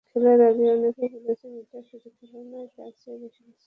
খেলার আগে অনেকেই বলেছেন, এটা শুধু খেলা নয়, তার চেয়ে বেশি কিছু।